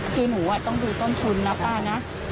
คือหนูต้องดูต้นทุนนะป้านะ